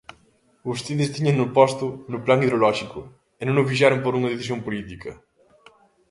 Vostedes tíñano posto no Plan hidrolóxico e non o fixeron por unha decisión política.